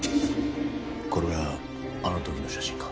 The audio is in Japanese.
これはあの時の写真か？